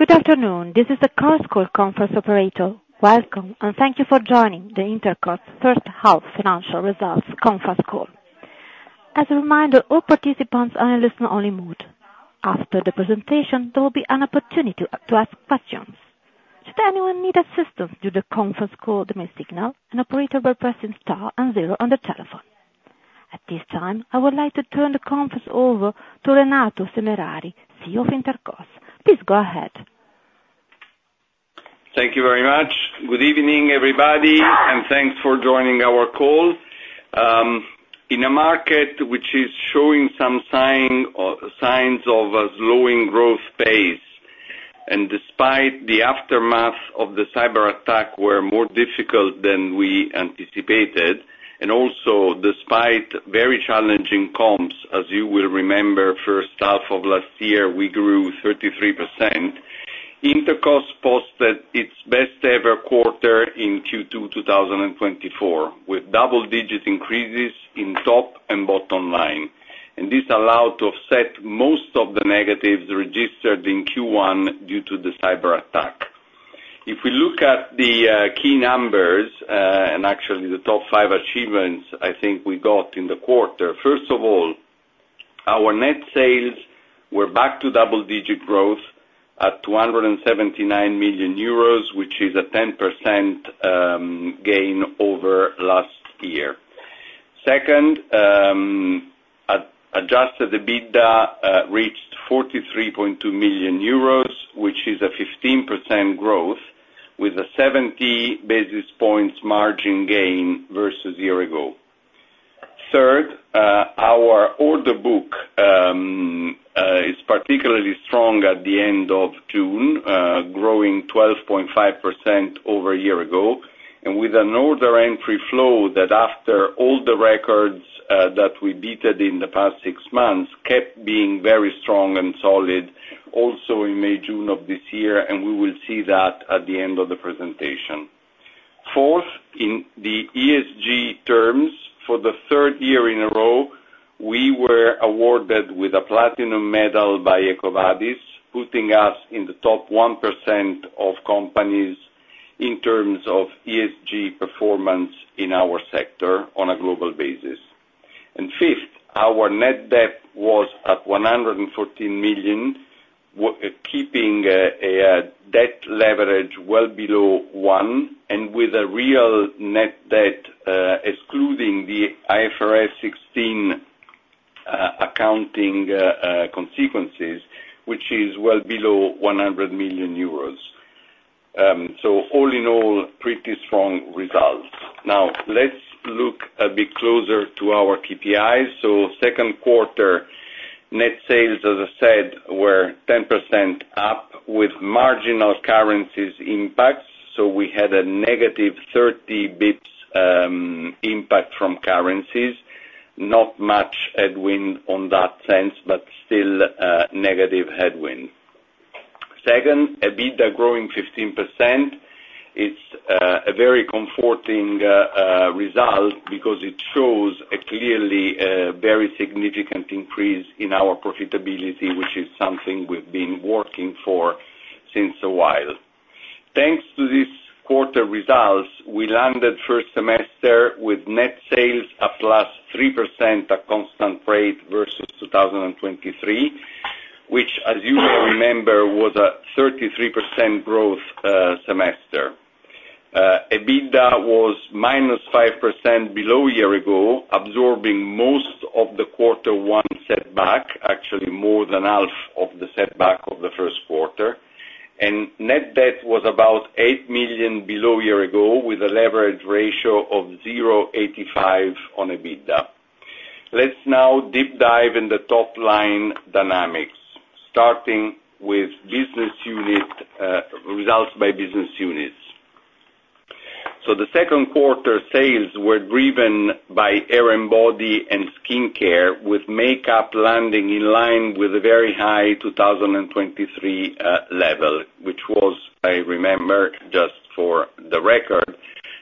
Good afternoon. This is the Chorus Call Conference Operator. Welcome, and thank you for joining the Intercos First Half Financial Results Conference Call. As a reminder, all participants are in listener-only mode. After the presentation, there will be an opportunity to ask questions. Should anyone need assistance during the conference call, they may signal. An operator will press star and zero on the telephone. At this time, I would like to turn the conference over to Renato Semerari, CEO of Intercos. Please go ahead. Thank you very much. Good evening, everybody, and thanks for joining our call. In a market which is showing some signs of a slowing growth pace, and despite the aftermath of the cyber attack, which was more difficult than we anticipated, and also despite very challenging comps, as you will remember, first half of last year, we grew 33%, Intercos posted its best-ever quarter in Q2 2024, with double-digit increases in top and bottom line. This allowed to offset most of the negatives registered in Q1 due to the cyber attack. If we look at the key numbers, and actually the top five achievements I think we got in the quarter, first of all, our net sales were back to double-digit growth at 279 million euros, which is a 10% gain over last year. Second, Adjusted EBITDA reached 43.2 million euros, which is a 15% growth, with a 70 basis points margin gain versus year ago. Third, our order book is particularly strong at the end of June, growing 12.5% over a year ago, and with an order entry flow that, after all the records that we beat in the past six months, kept being very strong and solid, also in May/June of this year, and we will see that at the end of the presentation. Fourth, in the ESG terms, for the third year in a row, we were awarded with a platinum medal by EcoVadis, putting us in the top 1% of companies in terms of ESG performance in our sector on a global basis. And fifth, our net debt was at 114 million, keeping debt leverage well below one, and with a real net debt excluding the IFRS 16 accounting consequences, which is well below 100 million euros. So all in all, pretty strong results. Now, let's look a bit closer to our KPIs. So second quarter, net sales, as I said, were 10% up, with marginal currencies impacts. So we had a -30 bps impact from currencies, not much headwind on that sense, but still negative headwind. Second, EBITDA growing 15%. It's a very comforting result because it shows a clearly very significant increase in our profitability, which is something we've been working for since a while. Thanks to these quarter results, we landed first semester with net sales at +3% at constant rate versus 2023, which, as you may remember, was a 33% growth semester. EBITDA was -5% below a year ago, absorbing most of the quarter one setback, actually more than half of the setback of the first quarter. Net debt was about 8 million below a year ago, with a leverage ratio of 0.85 on EBITDA. Let's now deep dive in the top-line dynamics, starting with results by business units. The second quarter sales were driven by hair and body and skincare, with makeup landing in line with a very high 2023 level, which was, I remember, just for the record,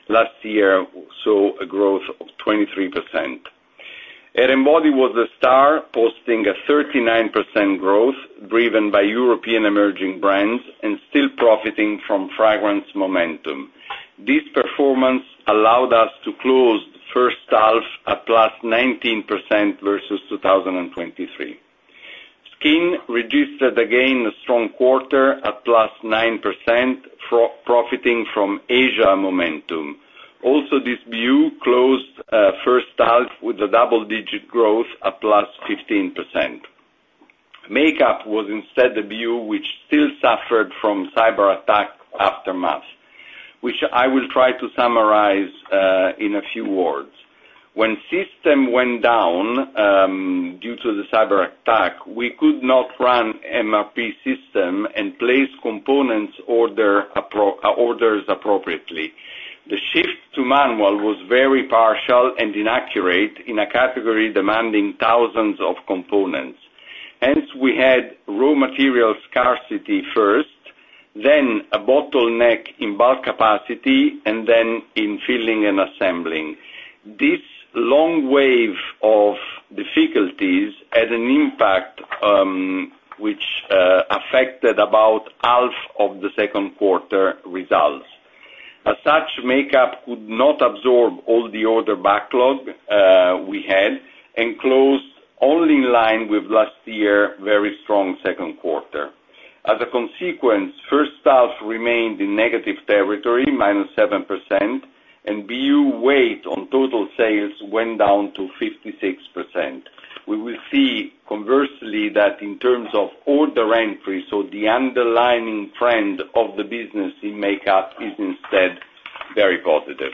last year saw a growth of 23%. Hair and body was the star, posting a 39% growth, driven by European emerging brands and still profiting from fragrance momentum. This performance allowed us to close the first half at +19% versus 2023. Skincare registered again a strong quarter at +9%, profiting from Asia momentum. Also, this BU closed first half with a double-digit growth at +15%. Makeup was instead the BU, which still suffered from cyber attack aftermath, which I will try to summarize in a few words. When system went down due to the cyber attack, we could not run MRP system and place components orders appropriately. The shift to manual was very partial and inaccurate in a category demanding thousands of components. Hence, we had raw material scarcity first, then a bottleneck in bulk capacity, and then in filling and assembling. This long wave of difficulties had an impact which affected about half of the second quarter results. As such, makeup could not absorb all the order backlog we had and closed only in line with last year's very strong second quarter. As a consequence, first half remained in negative territory, -7%, and BU weight on total sales went down to 56%. We will see, conversely, that in terms of order entry, so the underlying trend of the business in makeup is instead very positive.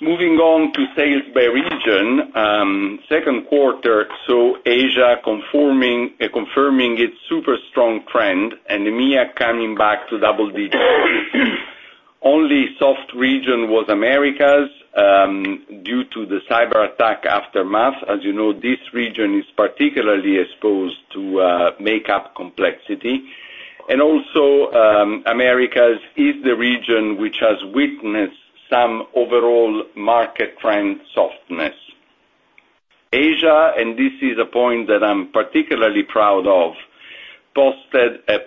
Moving on to sales by region, second quarter saw Asia confirming its super strong trend and EMEA coming back to double digits. Only soft region was Americas due to the cyber attack aftermath. As you know, this region is particularly exposed to makeup complexity. And also, Americas is the region which has witnessed some overall market trend softness. Asia, and this is a point that I'm particularly proud of, posted a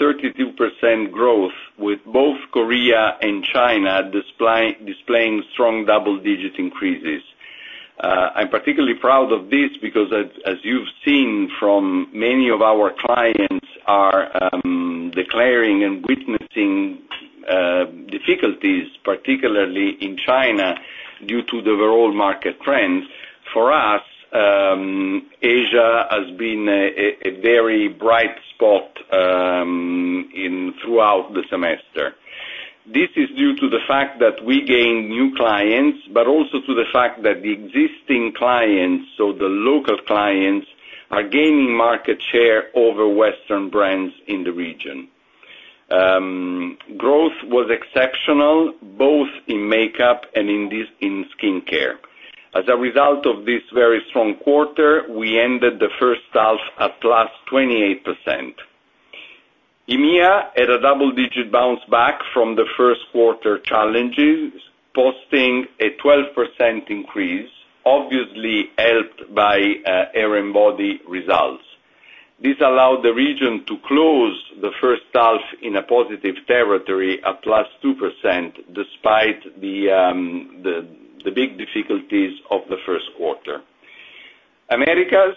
+32% growth with both Korea and China displaying strong double-digit increases. I'm particularly proud of this because, as you've seen, many of our clients are declaring and witnessing difficulties, particularly in China due to the overall market trends. For us, Asia has been a very bright spot throughout the semester. This is due to the fact that we gained new clients, but also to the fact that the existing clients, so the local clients, are gaining market share over Western brands in the region. Growth was exceptional both in makeup and in skincare. As a result of this very strong quarter, we ended the first half at +28%. EMEA had a double-digit bounce back from the first quarter challenges, posting a 12% increase, obviously helped by hair and body results. This allowed the region to close the first half in a positive territory at +2% despite the big difficulties of the first quarter. Americas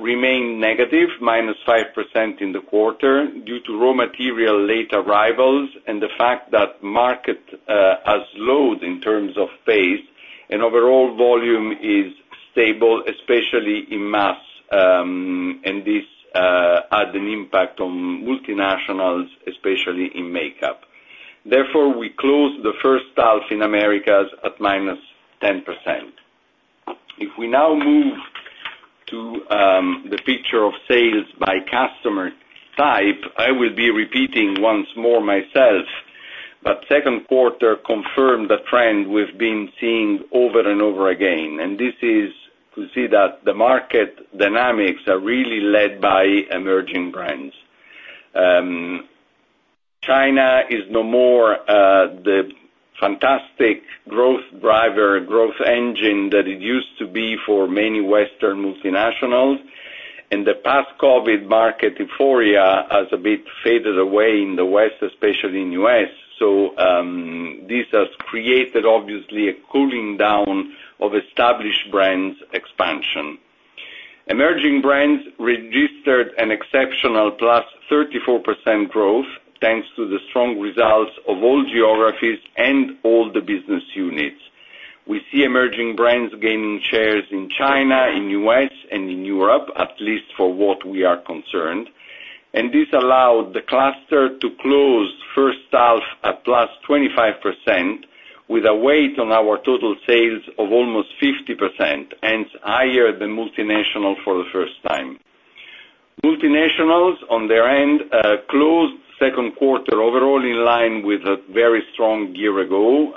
remained negative, -5% in the quarter due to raw material late arrivals and the fact that market has slowed in terms of pace, and overall volume is stable, especially in mass, and this had an impact on multinationals, especially in makeup. Therefore, we closed the first half in Americas at -10%. If we now move to the picture of sales by customer type, I will be repeating once more myself, but second quarter confirmed the trend we've been seeing over and over again. And this is to see that the market dynamics are really led by emerging brands. China is no more the fantastic growth driver, growth engine that it used to be for many Western multinationals, and the post-COVID market euphoria has a bit faded away in the West, especially in the U.S. So this has created, obviously, a cooling down of established brands' expansion. Emerging brands registered an exceptional +34% growth thanks to the strong results of all geographies and all the business units. We see emerging brands gaining shares in China, in the U.S., and in Europe, at least for what we are concerned. This allowed the cluster to close first half at +25%, with a weight on our total sales of almost 50%, hence higher than multinationals for the first time. Multinationals, on their end, closed second quarter overall in line with a very strong year ago.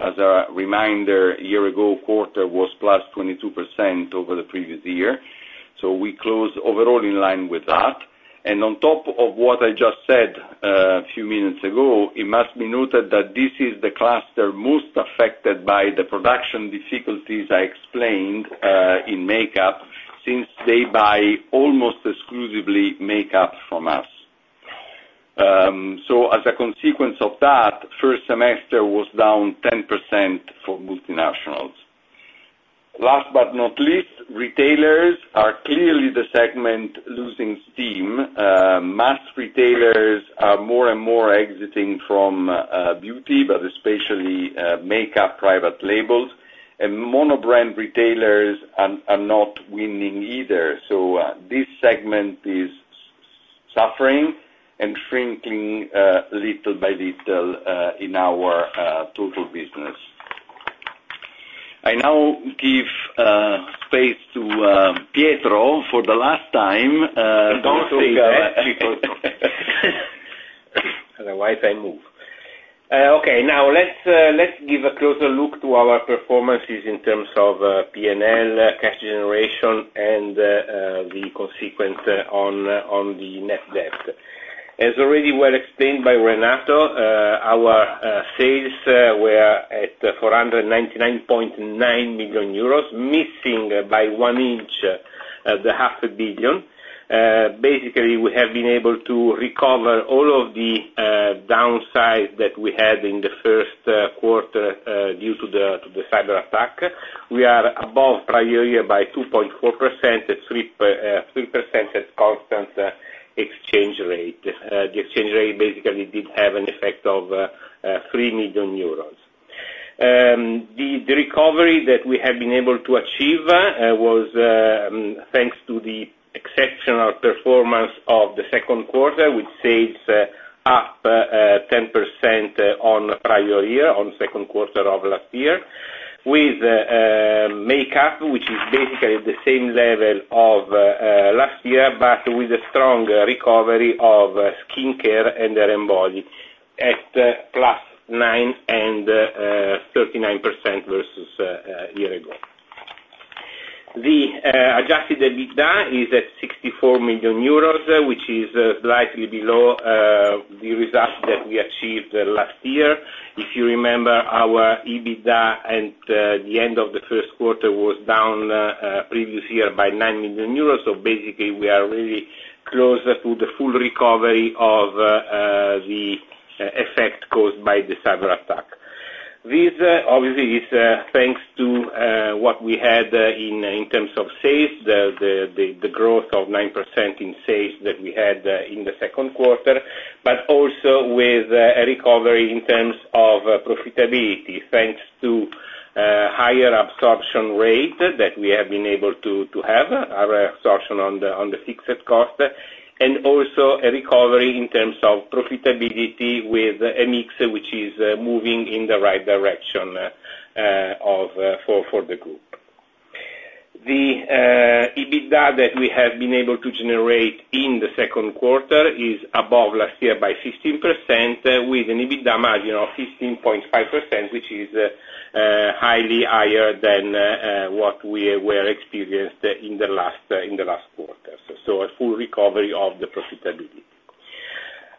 As a reminder, a year-ago quarter was +22% over the previous year. We closed overall in line with that. On top of what I just said a few minutes ago, it must be noted that this is the cluster most affected by the production difficulties I explained in makeup since they buy almost exclusively makeup from us. So as a consequence of that, first semester was down 10% for multinationals. Last but not least, retailers are clearly the segment losing steam. Mass retailers are more and more exiting from beauty, but especially makeup private labels. And monobrand retailers are not winning either. So this segment is suffering and shrinking little by little in our total business. I now give space to Pietro for the last time. Don't touch the mic. Otherwise, I move. Okay. Now, let's give a closer look to our performances in terms of P&L, cash generation, and the consequence on the net debt. As already well explained by Renato, our sales were at 499.9 million euros, missing by one inch the 500 million. Basically, we have been able to recover all of the downside that we had in the first quarter due to the cyber attack. We are above prior year by 2.4%, a 3% constant exchange rate. The exchange rate basically did have an effect of 3 million euros. The recovery that we have been able to achieve was thanks to the exceptional performance of the second quarter, with sales up 10% on prior year, on second quarter of last year, with makeup, which is basically the same level of last year, but with a strong recovery of skincare and hair and body at +9% and 39% versus a year ago. The Adjusted EBITDA is at 64 million euros, which is slightly below the EBITDA that we achieved last year. If you remember, our EBITDA at the end of the first quarter was down previous year by 9 million euros. So basically, we are really close to the full recovery of the effect caused by the cyber attack. This, obviously, is thanks to what we had in terms of sales, the growth of 9% in sales that we had in the second quarter, but also with a recovery in terms of profitability thanks to a higher absorption rate that we have been able to have, our absorption on the fixed cost, and also a recovery in terms of profitability with a mix which is moving in the right direction for the group. The EBITDA that we have been able to generate in the second quarter is above last year by 15%, with an EBITDA margin of 15.5%, which is highly higher than what we were experienced in the last quarter. So a full recovery of the profitability.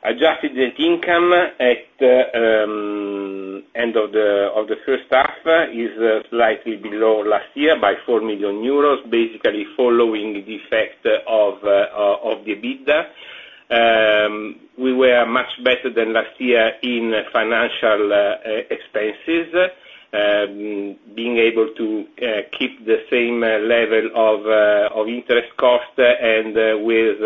Adjusted net income at the end of the first half is slightly below last year by 4 million euros, basically following the effect of the EBITDA. We were much better than last year in financial expenses, being able to keep the same level of interest cost and with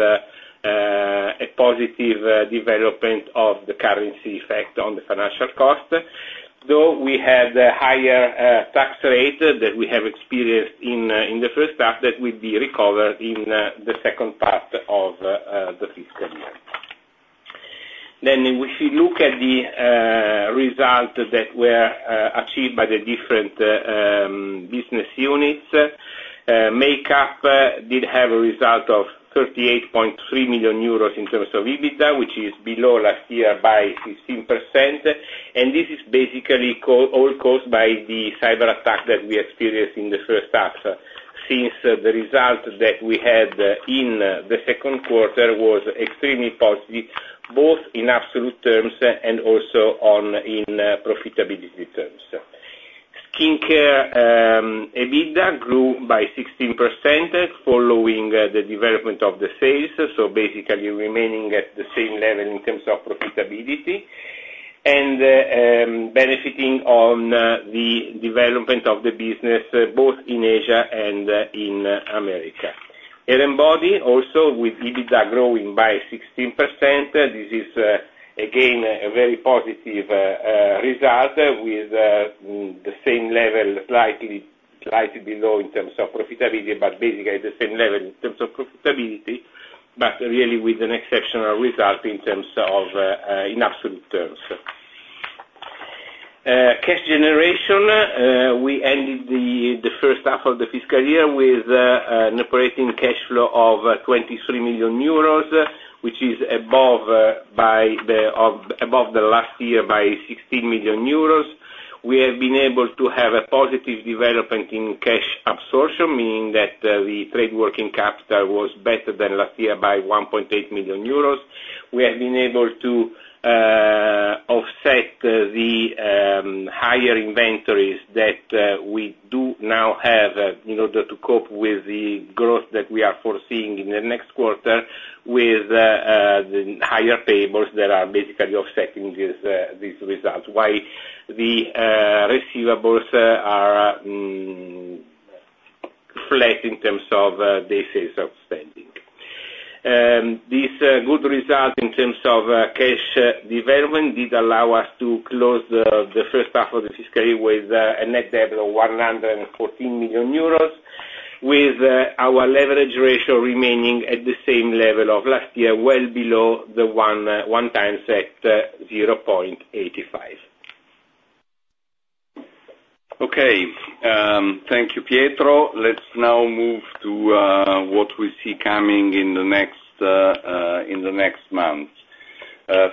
a positive development of the currency effect on the financial cost. Though we had a higher tax rate that we have experienced in the first half, that will be recovered in the second part of the fiscal year. If we look at the result that were achieved by the different business units, makeup did have a result of 38.3 million euros in terms of EBITDA, which is below last year by 15%. This is basically all caused by the cyber attack that we experienced in the first half since the result that we had in the second quarter was extremely positive, both in absolute terms and also in profitability terms. Skincare EBITDA grew by 16% following the development of the sales, so basically remaining at the same level in terms of profitability and benefiting on the development of the business both in Asia and in America. Hair and body, also with EBITDA growing by 16%, this is again a very positive result with the same level, slightly below in terms of profitability, but basically the same level in terms of profitability, but really with an exceptional result in terms of in absolute terms. Cash generation, we ended the first half of the fiscal year with an operating cash flow of 23 million euros, which is above the last year by 16 million euros. We have been able to have a positive development in cash absorption, meaning that the trade working capital was better than last year by 1.8 million euros. We have been able to offset the higher inventories that we do now have in order to cope with the growth that we are foreseeing in the next quarter with the higher payables that are basically offsetting these results, while the receivables are flat in terms of the sales outstanding. This good result in terms of cash development did allow us to close the first half of the fiscal year with a net debt of 114 million euros, with our leverage ratio remaining at the same level of last year, well below the one times, at 0.85. Okay. Thank you, Pietro. Let's now move to what we see coming in the next month.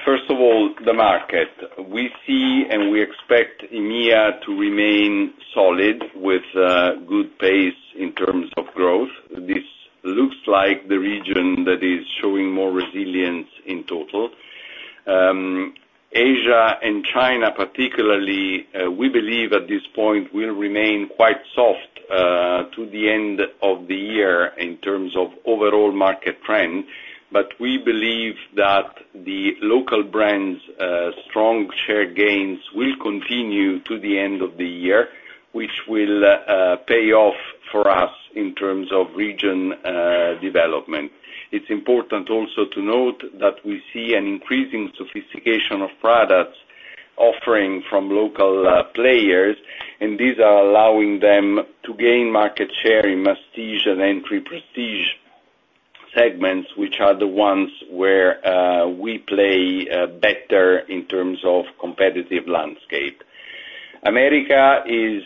First of all, the market. We see and we expect EMEA to remain solid with good pace in terms of growth. This looks like the region that is showing more resilience in total. Asia and China, particularly, we believe at this point will remain quite soft to the end of the year in terms of overall market trend, but we believe that the local brands' strong share gains will continue to the end of the year, which will pay off for us in terms of region development. It's important also to note that we see an increasing sophistication of products offering from local players, and these are allowing them to gain market share in prestige and entry prestige segments, which are the ones where we play better in terms of competitive landscape. America is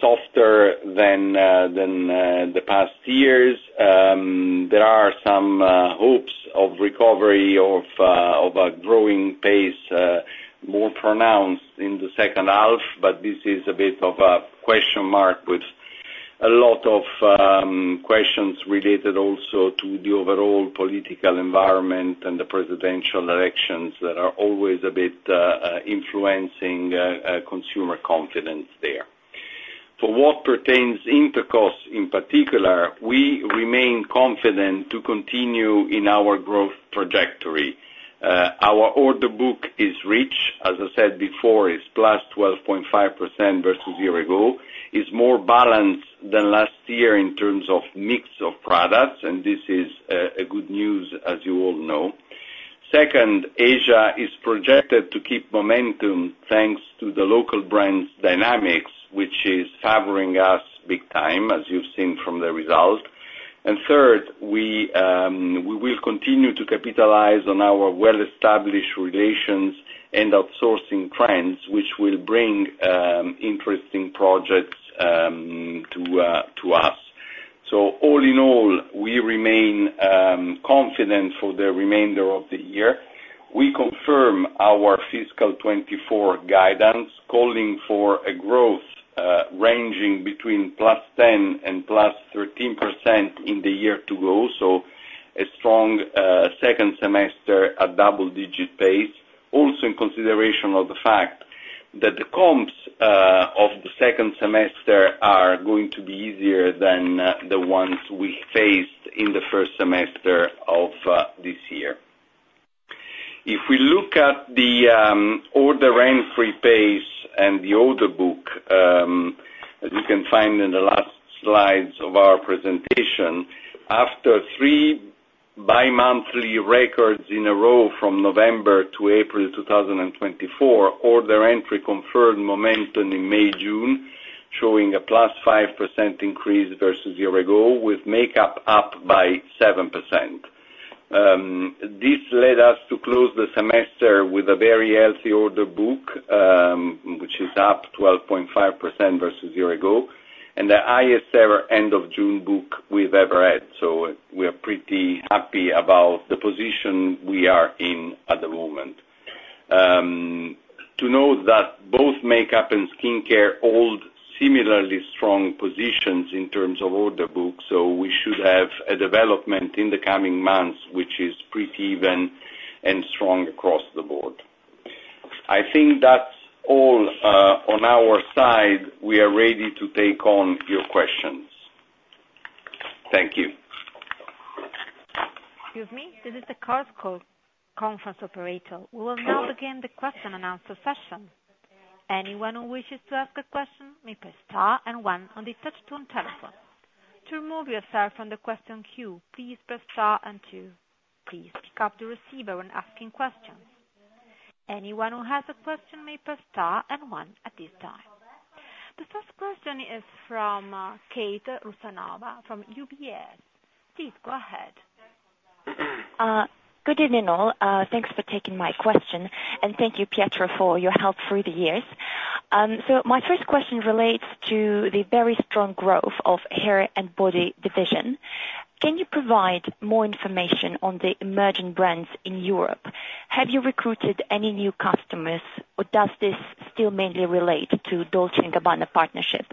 softer than the past years. There are some hopes of recovery of a growing pace more pronounced in the second half, but this is a bit of a question mark with a lot of questions related also to the overall political environment and the presidential elections that are always a bit influencing consumer confidence there. For what pertains to Intercos in particular, we remain confident to continue in our growth trajectory. Our order book is rich. As I said before, it's +12.5% versus a year ago. It's more balanced than last year in terms of mix of products, and this is good news, as you all know. Second, Asia is projected to keep momentum thanks to the local brands' dynamics, which is favoring us big time, as you've seen from the result. And third, we will continue to capitalize on our well-established relations and outsourcing trends, which will bring interesting projects to us. So all in all, we remain confident for the remainder of the year. We confirm our fiscal 2024 guidance, calling for a growth ranging between +10% and +13% in the year to go. So a strong second semester at double-digit pace, also in consideration of the fact that the comps of the second semester are going to be easier than the ones we faced in the first semester of this year. If we look at the order entry pace and the order book, as you can find in the last slides of our presentation, after three bi-monthly records in a row from November to April 2024, order entry confirmed momentum in May-June, showing a +5% increase versus a year ago, with makeup up by 7%. This led us to close the semester with a very healthy order book, which is up 12.5% versus a year ago, and the highest-ever end-of-June book we've ever had. So we are pretty happy about the position we are in at the moment. To note that both makeup and skincare hold similarly strong positions in terms of order book, so we should have a development in the coming months, which is pretty even and strong across the board. I think that's all on our side. We are ready to take on your questions. Thank you. Excuse me. This is the conference operator. We will now begin the question and answer session. Anyone who wishes to ask a question may press star and one on the touch-tone telephone. To remove yourself from the question queue, please press star and two. Please pick up the receiver when asking questions. Anyone who has a question may press star and one at this time. The first question is from Kate Rusanova from UBS. Please, go ahead. Good evening all. Thanks for taking my question, and thank you, Pietro, for your help through the years. So my first question relates to the very strong growth of hair and body division. Can you provide more information on the emerging brands in Europe? Have you recruited any new customers, or does this still mainly relate to Dolce & Gabbana partnership?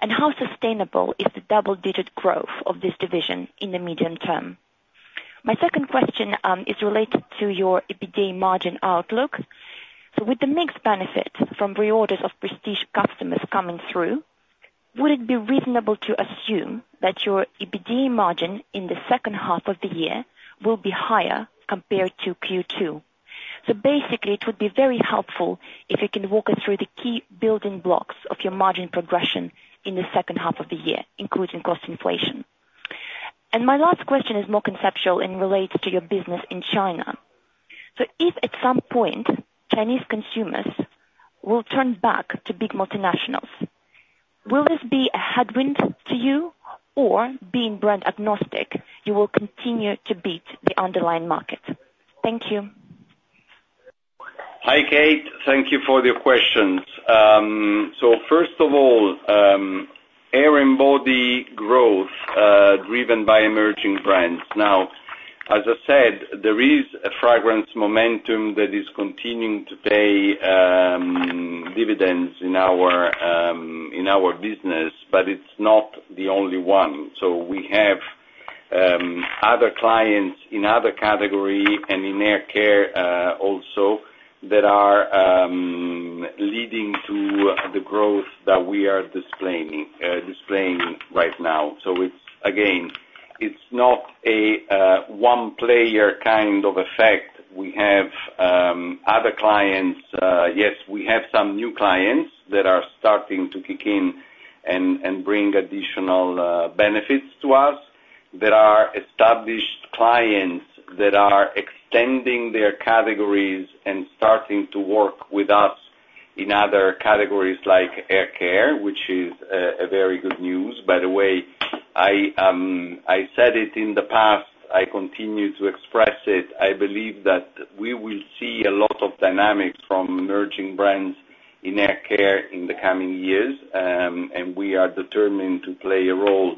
And how sustainable is the double-digit growth of this division in the medium term? My second question is related to your EBITDA margin outlook. So with the mixed benefit from reorders of prestige customers coming through, would it be reasonable to assume that your EBITDA margin in the second half of the year will be higher compared to Q2? Basically, it would be very helpful if you can walk us through the key building blocks of your margin progression in the second half of the year, including cost inflation. My last question is more conceptual and relates to your business in China. If at some point Chinese consumers will turn back to big multinationals, will this be a headwind to you, or being brand agnostic, you will continue to beat the underlying market? Thank you. Hi, Kate. Thank you for the questions. So first of all, hair and body growth driven by emerging brands. Now, as I said, there is a fragrance momentum that is continuing to pay dividends in our business, but it's not the only one. So we have other clients in other categories and in hair care also that are leading to the growth that we are displaying right now. So again, it's not a one-player kind of effect. We have other clients. Yes, we have some new clients that are starting to kick in and bring additional benefits to us. There are established clients that are extending their categories and starting to work with us in other categories like hair care, which is very good news. By the way, I said it in the past. I continue to express it. I believe that we will see a lot of dynamics from emerging brands in hair care in the coming years, and we are determined to play a role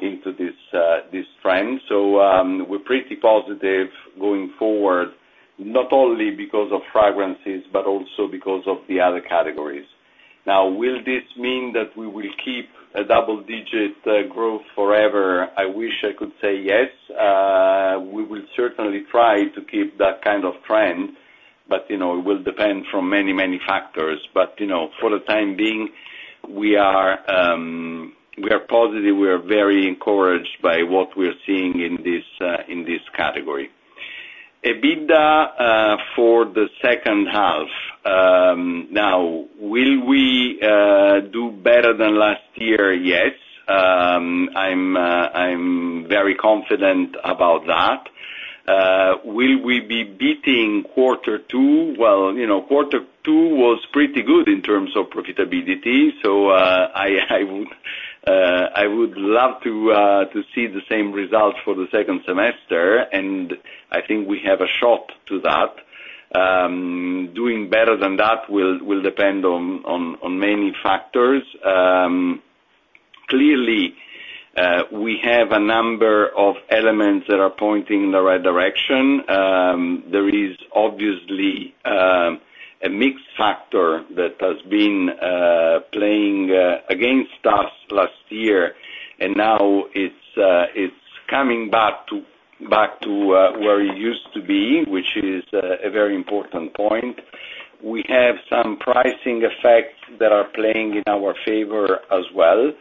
in this trend. So we're pretty positive going forward, not only because of fragrances but also because of the other categories. Now, will this mean that we will keep a double-digit growth forever? I wish I could say yes. We will certainly try to keep that kind of trend, but it will depend on many, many factors. But for the time being, we are positive. We are very encouraged by what we're seeing in this category. EBITDA for the second half. Now, will we do better than last year? Yes. I'm very confident about that. Will we be beating quarter two? Well, quarter two was pretty good in terms of profitability, so I would love to see the same result for the second semester, and I think we have a shot to that. Doing better than that will depend on many factors. Clearly, we have a number of elements that are pointing in the right direction. There is obviously a mixed factor that has been playing against us last year, and now it's coming back to where it used to be, which is a very important point. We have some pricing effects that are playing in our favor as well.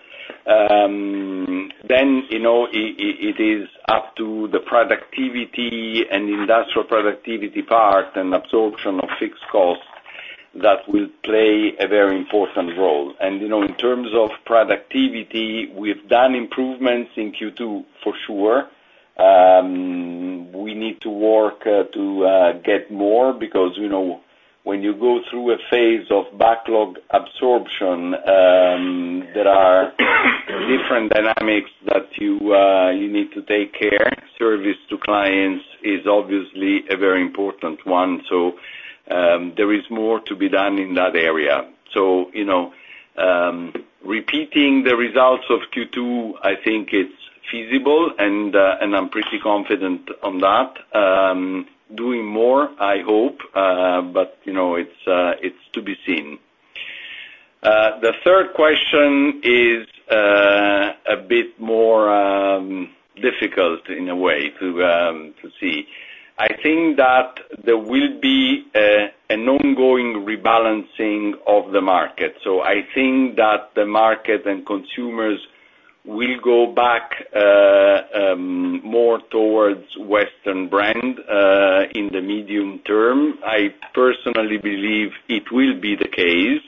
Then it is up to the productivity and industrial productivity part and absorption of fixed costs that will play a very important role. And in terms of productivity, we've done improvements in Q2, for sure. We need to work to get more because when you go through a phase of backlog absorption, there are different dynamics that you need to take care. Service to clients is obviously a very important one, so there is more to be done in that area. So repeating the results of Q2, I think it's feasible, and I'm pretty confident on that. Doing more, I hope, but it's to be seen. The third question is a bit more difficult in a way to see. I think that there will be an ongoing rebalancing of the market. So I think that the market and consumers will go back more towards Western brands in the medium term. I personally believe it will be the case.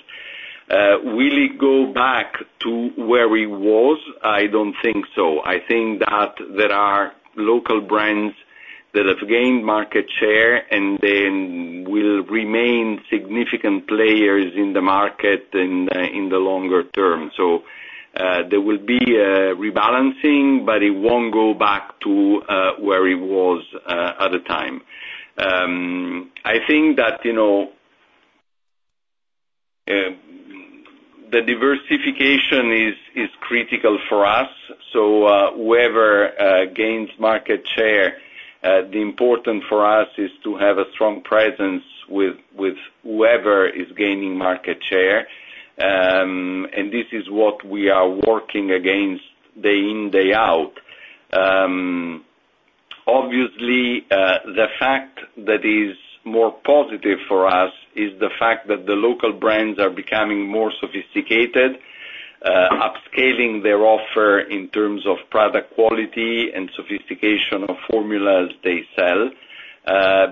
Will it go back to where it was? I don't think so. I think that there are local brands that have gained market share and then will remain significant players in the market in the longer term. So there will be a rebalancing, but it won't go back to where it was at the time. I think that the diversification is critical for us. So whoever gains market share, the important for us is to have a strong presence with whoever is gaining market share. And this is what we are working against day in, day out. Obviously, the fact that is more positive for us is the fact that the local brands are becoming more sophisticated, upscaling their offer in terms of product quality and sophistication of formulas they sell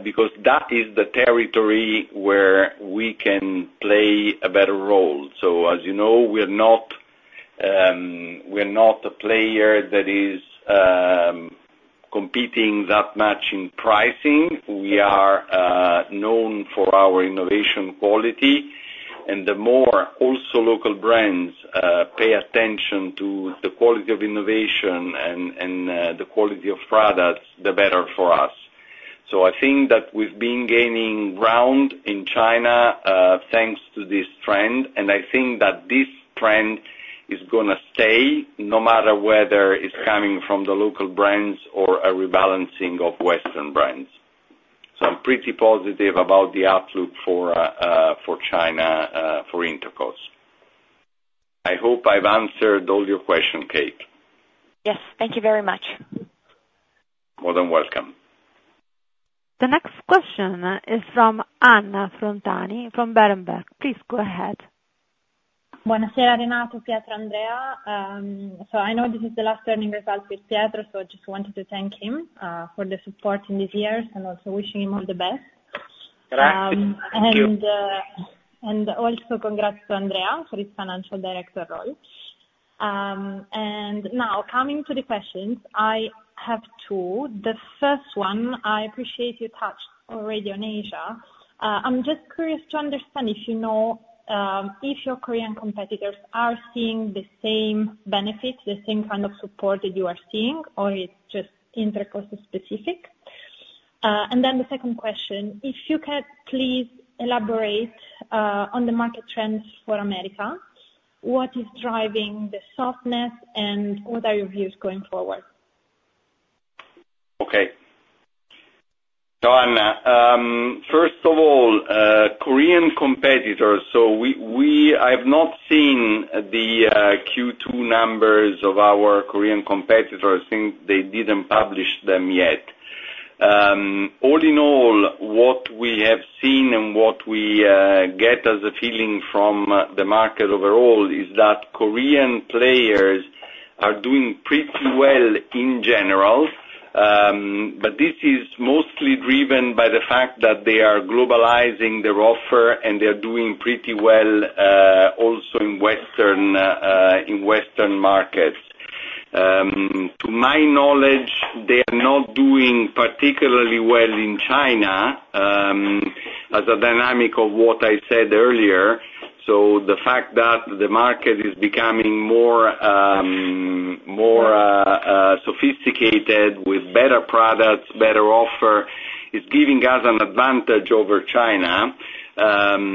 because that is the territory where we can play a better role. So as you know, we're not a player that is competing that much in pricing. We are known for our innovation quality. The more also local brands pay attention to the quality of innovation and the quality of products, the better for us. I think that we've been gaining ground in China thanks to this trend, and I think that this trend is going to stay no matter whether it's coming from the local brands or a rebalancing of Western brands. I'm pretty positive about the outlook for China, for Intercos. I hope I've answered all your questions, Kate. Yes. Thank you very much. More than welcome. The next question is from Anna Frontani from Berenberg. Please go ahead. Buonasera, Renato, Pietro, Andrea. So I know this is the last earnings result with Pietro, so I just wanted to thank him for the support in these years and also wishing him all the best. Grazie. Thank you. And also congrats to Andrea for his Financial Director role. And now coming to the questions, I have two. The first one, I appreciate you touched already on Asia. I'm just curious to understand if you know if your Korean competitors are seeing the same benefits, the same kind of support that you are seeing, or it's just Intercos specific. And then the second question, if you could please elaborate on the market trends for America, what is driving the softness, and what are your views going forward? Okay. So Anna, first of all, Korean competitors. So I've not seen the Q2 numbers of our Korean competitors. I think they didn't publish them yet. All in all, what we have seen and what we get as a feeling from the market overall is that Korean players are doing pretty well in general, but this is mostly driven by the fact that they are globalizing their offer and they're doing pretty well also in Western markets. To my knowledge, they are not doing particularly well in China as a dynamic of what I said earlier. So the fact that the market is becoming more sophisticated with better products, better offer, is giving us an advantage over China over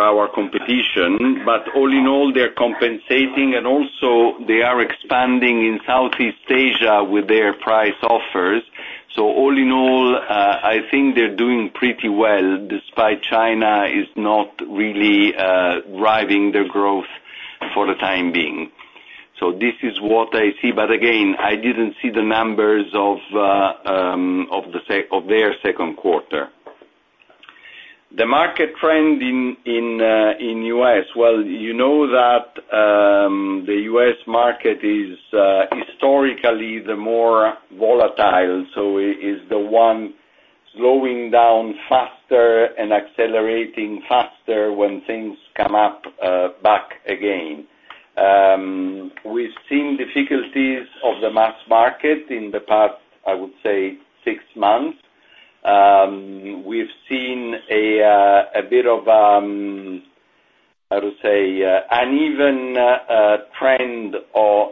our competition. But all in all, they're compensating, and also they are expanding in Southeast Asia with their price offers. So all in all, I think they're doing pretty well despite China not really driving their growth for the time being. So this is what I see. But again, I didn't see the numbers of their second quarter. The market trend in the U.S., well, you know that the U.S. market is historically the more volatile, so it's the one slowing down faster and accelerating faster when things come back again. We've seen difficulties of the mass market in the past, I would say, six months. We've seen a bit of, I would say, an even trend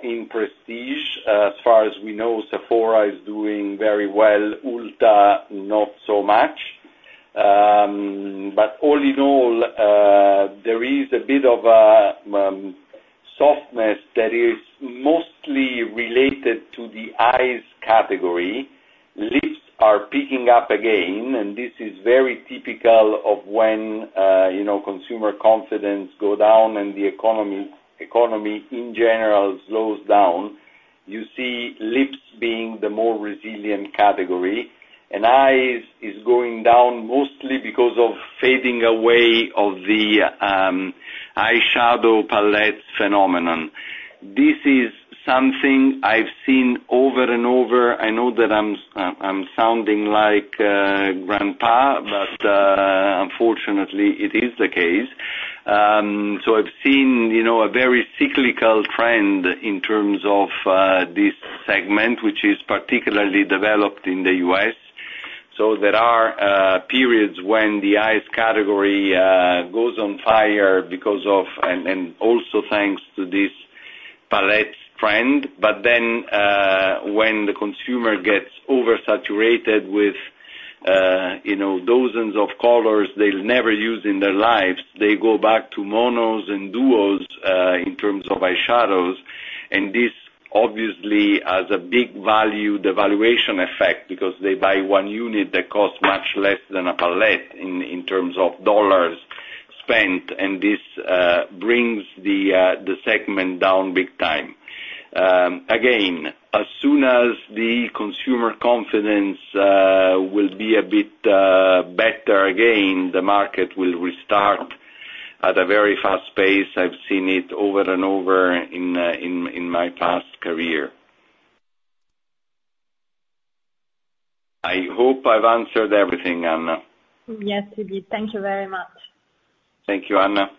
in prestige. As far as we know, Sephora is doing very well. Ulta, not so much. But all in all, there is a bit of softness that is mostly related to the eyes category. Lips are picking up again, and this is very typical of when consumer confidence goes down and the economy in general slows down. You see lips being the more resilient category. And eyes is going down mostly because of fading away of the eyeshadow palette phenomenon. This is something I've seen over and over. I know that I'm sounding like grandpa, but unfortunately, it is the case. So I've seen a very cyclical trend in terms of this segment, which is particularly developed in the U.S. So there are periods when the eyes category goes on fire because of, and also thanks to this palette trend. But then when the consumer gets oversaturated with dozens of colors they'll never use in their lives, they go back to monos and duos in terms of eyeshadows. This obviously has a big value devaluation effect because they buy one unit that costs much less than a palette in terms of dollars spent, and this brings the segment down big time. Again, as soon as the consumer confidence will be a bit better again, the market will restart at a very fast pace. I've seen it over and over in my past career. I hope I've answered everything, Anna. Yes, indeed. Thank you very much. Thank you, Anna.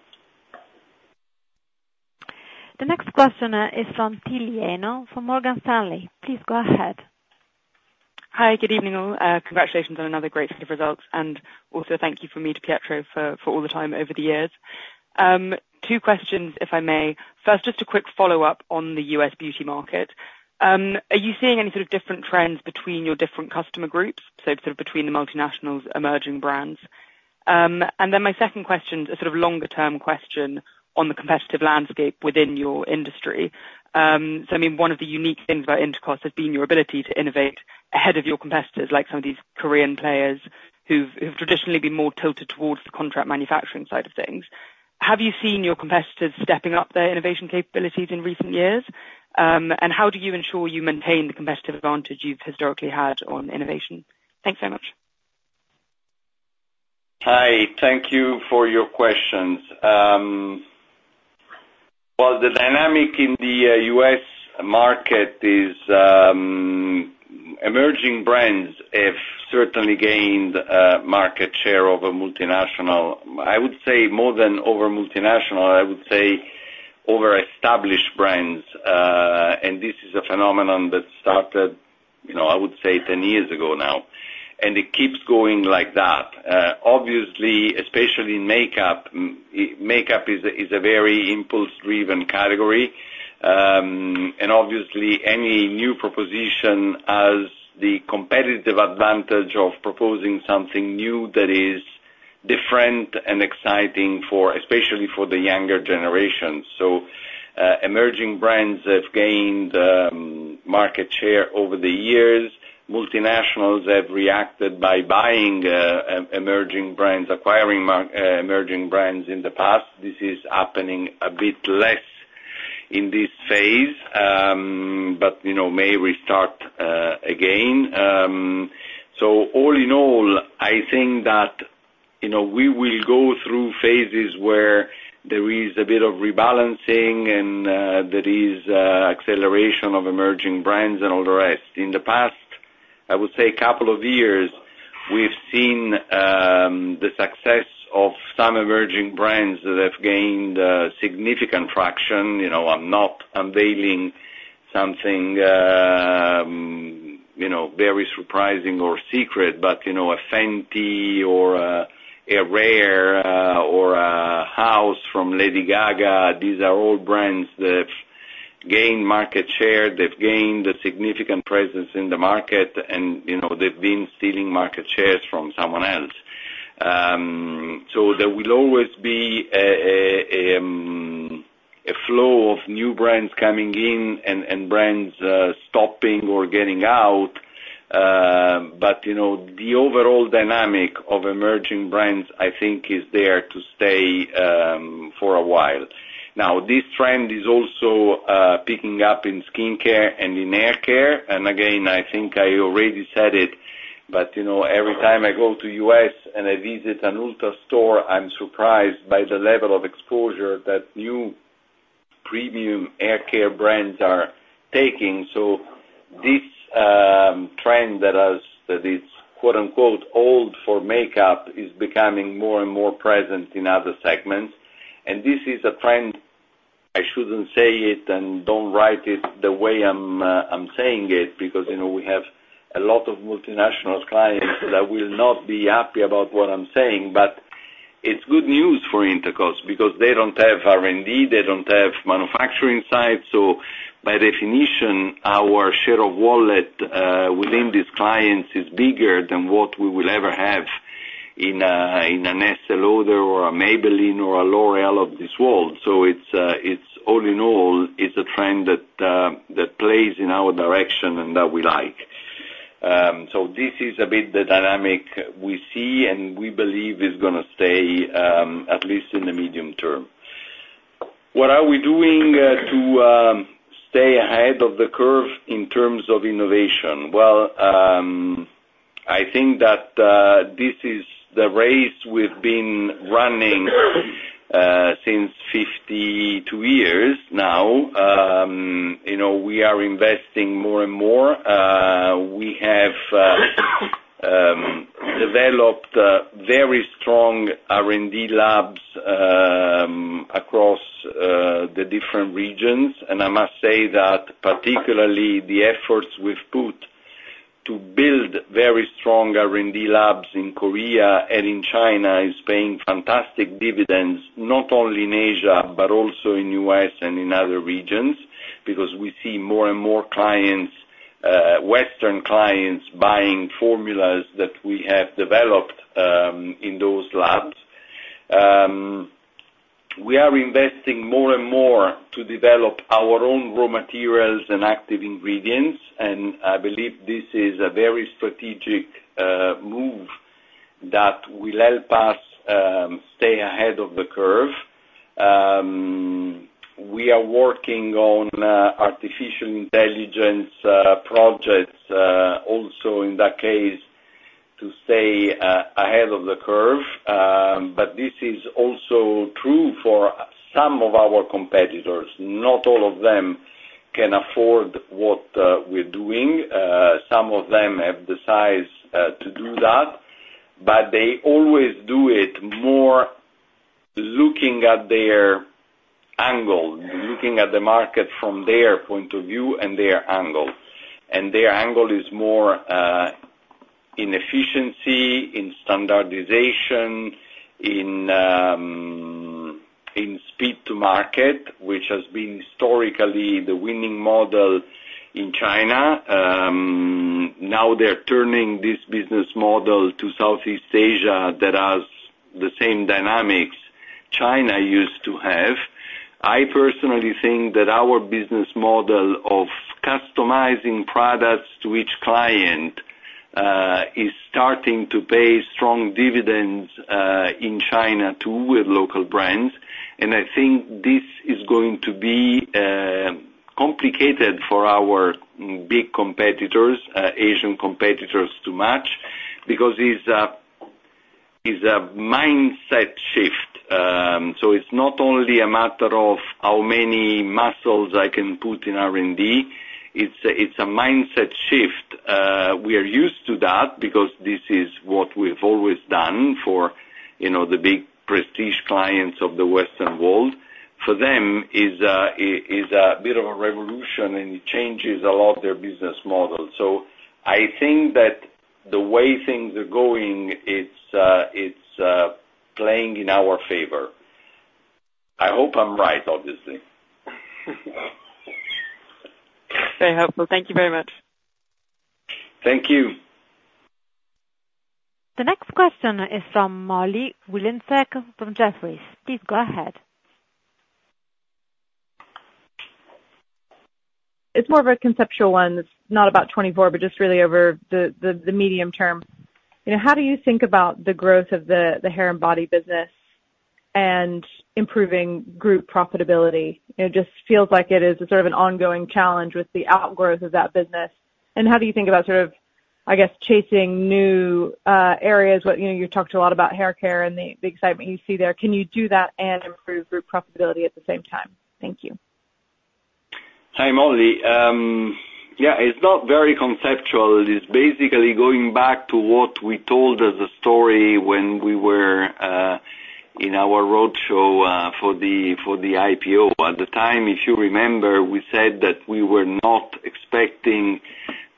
The next question is from Tilly Eno, from Morgan Stanley. Please go ahead. Hi, good evening. Congratulations on another great set of results. Also thank you from me to Pietro for all the time over the years. Two questions, if I may. First, just a quick follow-up on the U.S. beauty market. Are you seeing any sort of different trends between your different customer groups, so sort of between the multinationals, emerging brands? Then my second question is a sort of longer-term question on the competitive landscape within your industry. So I mean, one of the unique things about Intercos has been your ability to innovate ahead of your competitors, like some of these Korean players who've traditionally been more tilted towards the contract manufacturing side of things. Have you seen your competitors stepping up their innovation capabilities in recent years? And how do you ensure you maintain the competitive advantage you've historically had on innovation? Thanks very much. Hi. Thank you for your questions. Well, the dynamic in the US market is emerging brands have certainly gained market share over multinational. I would say more than over multinational, I would say over established brands. This is a phenomenon that started, I would say, 10 years ago now. It keeps going like that. Obviously, especially in makeup, makeup is a very impulse-driven category. Obviously, any new proposition has the competitive advantage of proposing something new that is different and exciting, especially for the younger generations. Emerging brands have gained market share over the years. Multinationals have reacted by buying emerging brands, acquiring emerging brands in the past. This is happening a bit less in this phase, but may restart again. So all in all, I think that we will go through phases where there is a bit of rebalancing and there is acceleration of emerging brands and all the rest. In the past, I would say a couple of years, we've seen the success of some emerging brands that have gained a significant fraction. I'm not unveiling something very surprising or secret, but a Fenty or a Rare or a Haus from Lady Gaga. These are all brands that have gained market share, they've gained a significant presence in the market, and they've been stealing market shares from someone else. So there will always be a flow of new brands coming in and brands stopping or getting out. But the overall dynamic of emerging brands, I think, is there to stay for a while. Now, this trend is also picking up in skincare and in haircare. And again, I think I already said it, but every time I go to the U.S. and I visit an Ulta store, I'm surprised by the level of exposure that new premium haircare brands are taking. So this trend that is "old for makeup" is becoming more and more present in other segments. And this is a trend I shouldn't say it and don't write it the way I'm saying it because we have a lot of multinational clients that will not be happy about what I'm saying. But it's good news for Intercos because they don't have R&D, they don't have manufacturing side. So by definition, our share of wallet within these clients is bigger than what we will ever have in an Estée Lauder or a Maybelline or a L'Oréal of this world. So all in all, it's a trend that plays in our direction and that we like. So this is a bit the dynamic we see and we believe is going to stay at least in the medium term. What are we doing to stay ahead of the curve in terms of innovation? Well, I think that this is the race we've been running since 52 years now. We are investing more and more. We have developed very strong R&D labs across the different regions. And I must say that particularly the efforts we've put to build very strong R&D labs in Korea and in China is paying fantastic dividends, not only in Asia but also in the U.S. and in other regions because we see more and more clients, Western clients, buying formulas that we have developed in those labs. We are investing more and more to develop our own raw materials and active ingredients. I believe this is a very strategic move that will help us stay ahead of the curve. We are working on artificial intelligence projects also in that case to stay ahead of the curve. This is also true for some of our competitors. Not all of them can afford what we're doing. Some of them have the size to do that, but they always do it more looking at their angle, looking at the market from their point of view and their angle. Their angle is more in efficiency, in standardization, in speed to market, which has been historically the winning model in China. Now they're turning this business model to Southeast Asia that has the same dynamics China used to have. I personally think that our business model of customizing products to each client is starting to pay strong dividends in China too with local brands. And I think this is going to be complicated for our big competitors, Asian competitors, too much because it's a mindset shift. So it's not only a matter of how many muscles I can put in R&D. It's a mindset shift. We are used to that because this is what we've always done for the big prestige clients of the Western world. For them, it's a bit of a revolution and it changes a lot of their business model. So I think that the way things are going, it's playing in our favor. I hope I'm right, obviously. Very helpful. Thank you very much. Thank you. The next question is from Molly Wylenzek from Jefferies. Please go ahead. It's more of a conceptual one. It's not about 2024, but just really over the medium term. How do you think about the growth of the hair and body business and improving group profitability? It just feels like it is sort of an ongoing challenge with the outgrowth of that business. How do you think about sort of, I guess, chasing new areas? You talked a lot about haircare and the excitement you see there. Can you do that and improve group profitability at the same time? Thank you. Hi, Molly. Yeah, it's not very conceptual. It's basically going back to what we told as a story when we were in our roadshow for the IPO. At the time, if you remember, we said that we were not expecting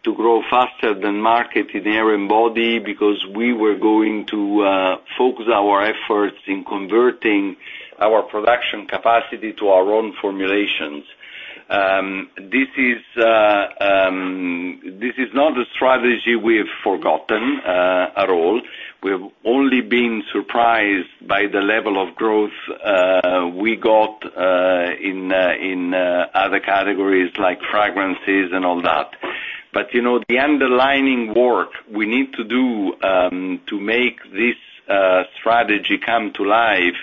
to grow faster than market in hair and body because we were going to focus our efforts in converting our production capacity to our own formulations. This is not a strategy we've forgotten at all. We have only been surprised by the level of growth we got in other categories like fragrances and all that. But the underlying work we need to do to make this strategy come to life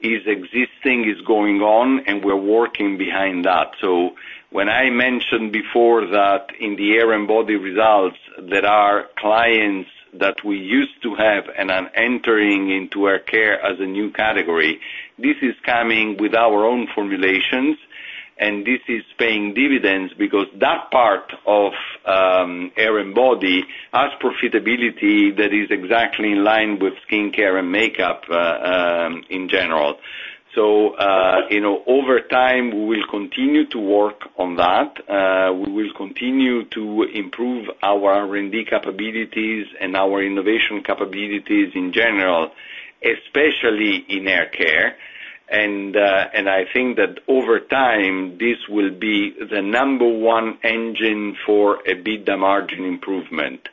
is existing, is going on, and we're working behind that. So when I mentioned before that in the hair and body results, there are clients that we used to have and are entering into haircare as a new category. This is coming with our own formulations, and this is paying dividends because that part of hair and body has profitability that is exactly in line with skincare and makeup in general. Over time, we will continue to work on that. We will continue to improve our R&D capabilities and our innovation capabilities in general, especially in haircare. I think that over time, this will be the number one engine for a bit of margin improvement.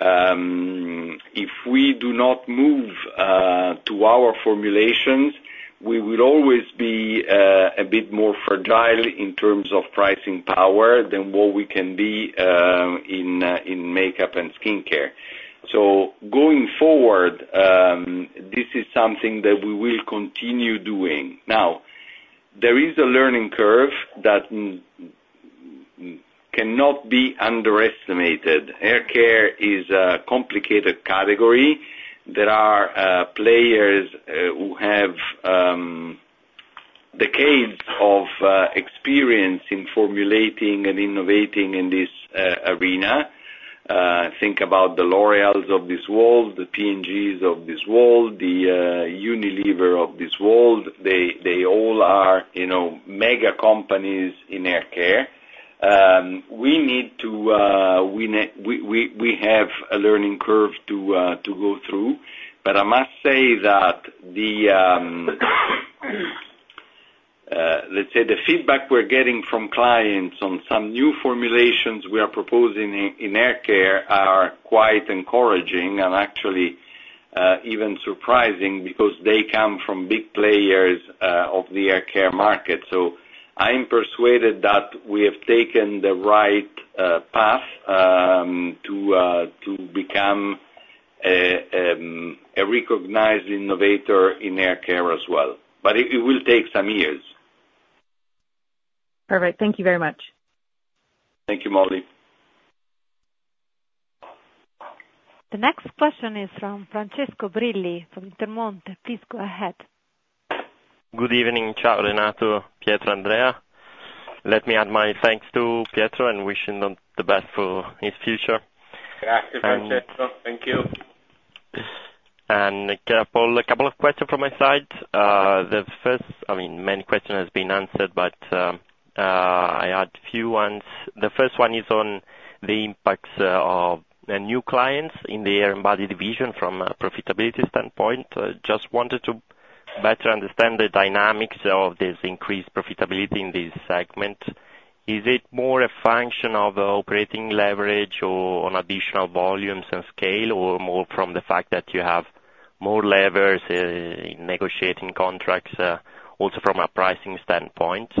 If we do not move to our formulations, we will always be a bit more fragile in terms of pricing power than what we can be in makeup and skincare. Going forward, this is something that we will continue doing. Now, there is a learning curve that cannot be underestimated. Haircare is a complicated category. There are players who have decades of experience in formulating and innovating in this arena. Think about the L'Oréals of this world, the P&Gs of this world, the Unilever of this world. They all are mega companies in haircare. We have a learning curve to go through. But I must say that the, let's say, the feedback we're getting from clients on some new formulations we are proposing in haircare are quite encouraging and actually even surprising because they come from big players of the haircare market. So I'm persuaded that we have taken the right path to become a recognized innovator in haircare as well. But it will take some years. Perfect. Thank you very much. Thank you, Molly. The next question is from Francesco Brilli from Intermonte. Please go ahead. Good evening, ciao Renato, Pietro, Andrea. Let me add my thanks to Pietro and wish him the best for his future. Good afternoon, Francesco. Thank you. I've got a couple of questions from my side. The first, I mean, main question has been answered, but I had a few ones. The first one is on the impacts of new clients in the hair and body division from a profitability standpoint. Just wanted to better understand the dynamics of this increased profitability in this segment. Is it more a function of operating leverage or on additional volumes and scale, or more from the fact that you have more levers in negotiating contracts, also from a pricing standpoint?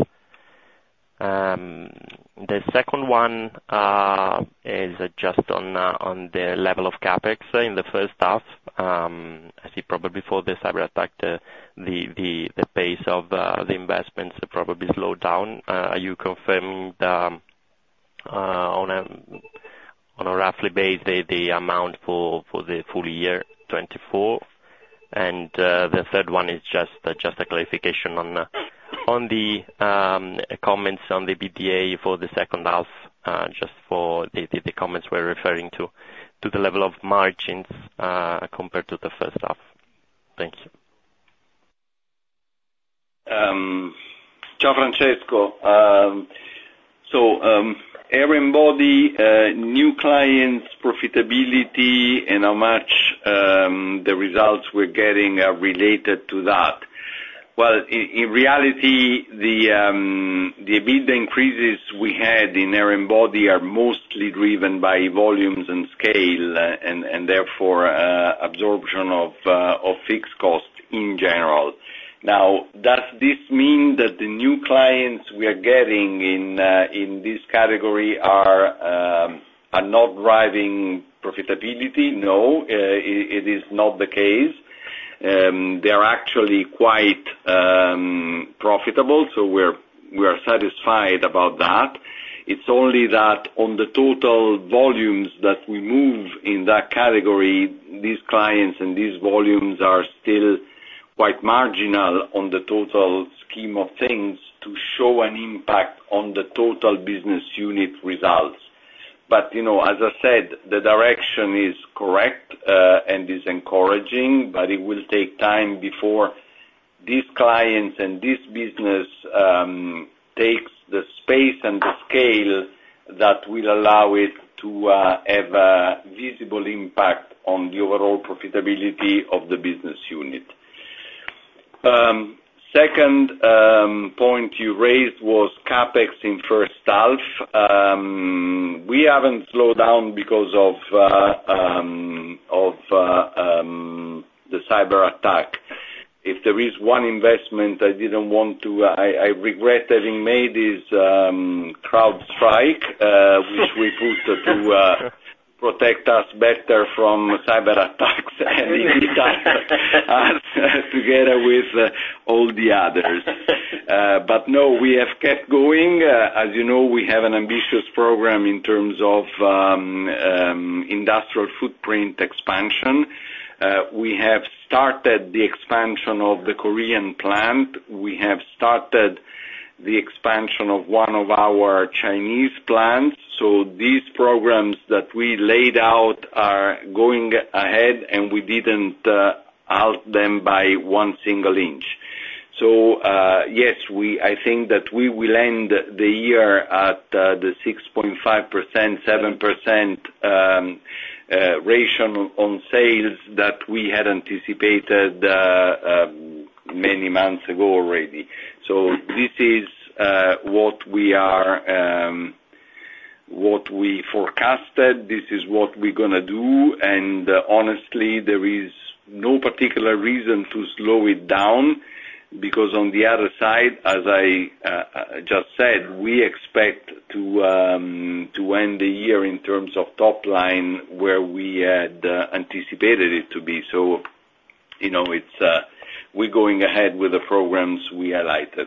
The second one is just on the level of CapEx in the first half. I see probably for the cyberattack, the pace of the investments probably slowed down. Are you confirming that on a roughly base, the amount for the full year 2024? The third one is just a clarification on the comments on the EBITDA for the second half, just for the comments we're referring to, to the level of margins compared to the first half. Thank you. Ciao Francesco. So hair and body, new clients, profitability, and how much the results we're getting are related to that. Well, in reality, the big increases we had in hair and body are mostly driven by volumes and scale, and therefore absorption of fixed costs in general. Now, does this mean that the new clients we are getting in this category are not driving profitability? No. It is not the case. They are actually quite profitable, so we are satisfied about that. It's only that on the total volumes that we move in that category, these clients and these volumes are still quite marginal on the total scheme of things to show an impact on the total business unit results. But as I said, the direction is correct and is encouraging, but it will take time before these clients and this business takes the space and the scale that will allow it to have a visible impact on the overall profitability of the business unit. Second point you raised was CapEx in first half. We haven't slowed down because of the cyberattack. If there is one investment I didn't want to, I regret having made is CrowdStrike, which we put to protect us better from cyberattacks and indeed us together with all the others. But no, we have kept going. As you know, we have an ambitious program in terms of industrial footprint expansion. We have started the expansion of the Korean plant. We have started the expansion of one of our Chinese plants. So these programs that we laid out are going ahead, and we didn't out them by one single inch. So yes, I think that we will end the year at the 6.5%, 7% ratio on sales that we had anticipated many months ago already. So this is what we forecasted. This is what we're going to do. And honestly, there is no particular reason to slow it down because on the other side, as I just said, we expect to end the year in terms of top line where we had anticipated it to be. So we're going ahead with the programs we highlighted.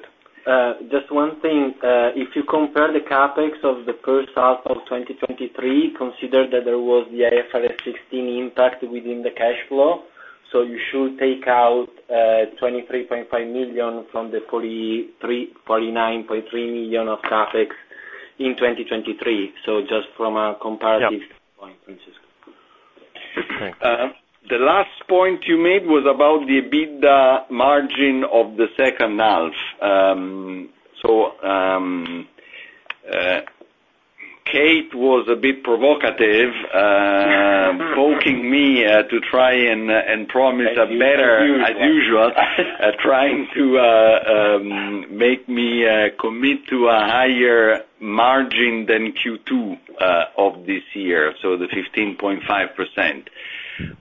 Just one thing. If you compare the CapEx of the first half of 2023, consider that there was the IFRS 16 impact within the cash flow. So you should take out 23.5 million from the 49.3 million of CapEx in 2023. So just from a comparative point, Francesco. The last point you made was about the big margin of the second half. So Kate was a bit provocative, poking me to try and promise a better as usual, trying to make me commit to a higher margin than Q2 of this year, so the 15.5%.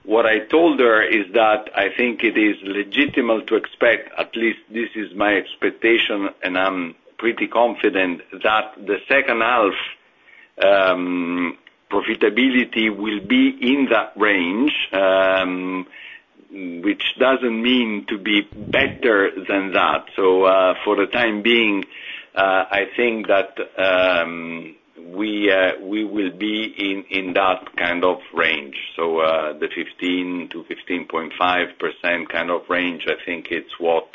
What I told her is that I think it is legitimate to expect, at least this is my expectation, and I'm pretty confident that the second half profitability will be in that range, which doesn't mean to be better than that. So for the time being, I think that we will be in that kind of range. So the 15%-15.5% kind of range, I think it's what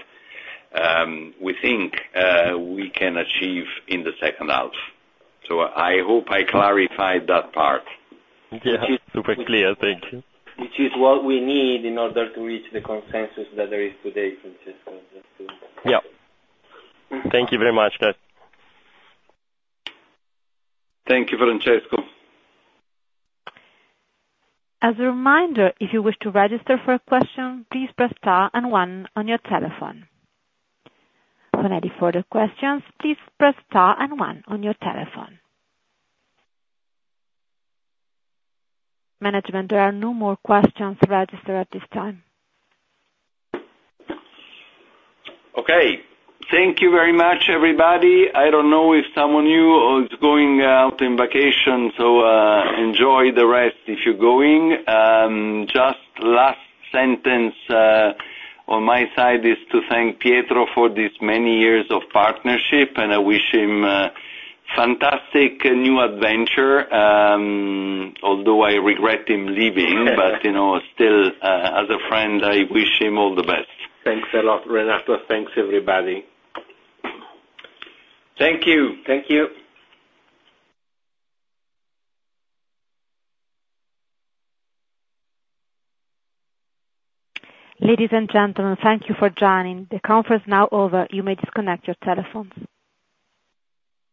we think we can achieve in the second half. So I hope I clarified that part. Yeah. Super clear. Thank you. Which is what we need in order to reach the consensus that there is today, Francesco. Yeah. Thank you very much, guys. Thank you, Francesco. As a reminder, if you wish to register for a question, please press star and one on your telephone. For any further questions, please press star and one on your telephone. Management, there are no more questions registered at this time. Okay. Thank you very much, everybody. I don't know if someone of you is going out on vacation, so enjoy the rest if you're going. Just last sentence on my side is to thank Pietro for these many years of partnership, and I wish him a fantastic new adventure, although I regret him leaving, but still, as a friend, I wish him all the best. Thanks a lot, Renato. Thanks, everybody. Thank you. Thank you. Ladies and gentlemen, thank you for joining. The conference is now over. You may disconnect your telephones.